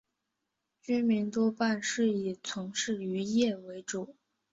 居民多半是以从事渔业为主。